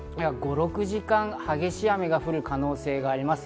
５６時間、激しい雨が降る可能性があります。